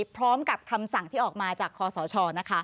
พร้อมกับคำสั่งที่ออกมาจากคอสชนะคะ